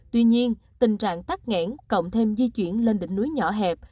tuy nhiên tình trạng tắt nghẽn cộng thêm di chuyển lên đỉnh núi nhỏ hẹp